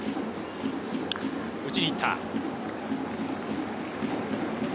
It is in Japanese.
打ちに行った。